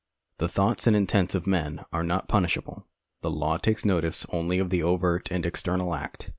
The thoughts and intents of men are not jjunishable. The law takes notice only of the overt and external act.